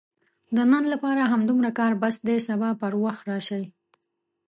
د نن لپاره همدومره کار بس دی، سبا پر وخت راشئ!